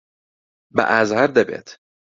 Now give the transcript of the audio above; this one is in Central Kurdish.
بە ئازار دەبێت.